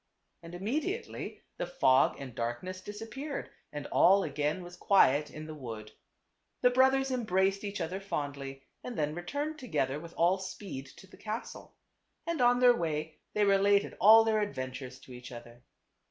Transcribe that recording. And immediately the fog and darkness disap peared and all again was quiet in the wood. The brothers embraced each other fondly, and then returned together with all speed to the castle. And on their way they related all their adventures to each other.